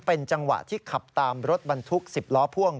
เป็นจังหวะที่ขับตามรถบรรทุก๑๐ล้อพ่วง